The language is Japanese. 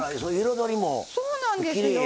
そうなんですよ。